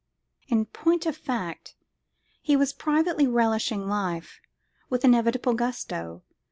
In point of fact, he was privately relishing life with enviable gusto.